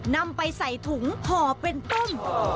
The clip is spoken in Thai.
นำไปใส่ถุงห่อเป็นต้ม